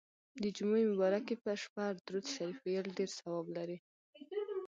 د جمعې مبارڪي په شپه درود شریف ویل ډیر ثواب لري.